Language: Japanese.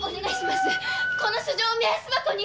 この書状を目安箱に！